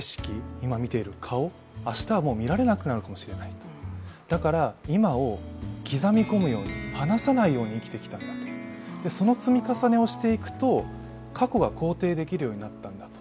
今、見ている顔明日はもう見られなくなるかもしれない、だから今を刻み込むように、離さないように生きてきたんだとその積み重ねをしていくと過去が肯定できるようになったんだと。